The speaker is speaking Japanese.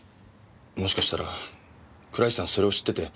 もしかしたら倉石さんそれを知ってて。